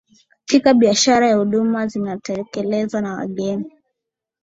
katika biashara na huduma zinatekelezwa na wageni